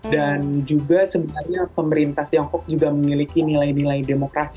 dan juga sebenarnya pemerintah tiongkok juga memiliki nilai nilai demokrasi